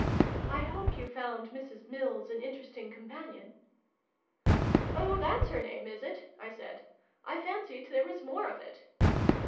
" I hope you found Mrs. Mills an interesting companion ?"" Oh, that's her name, is it ?" I said. " I fancied there was more of it."